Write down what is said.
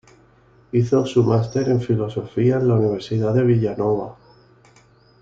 Hizo su master en filosofía en la Universidad de Villanova.